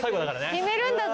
決めるんだぞ。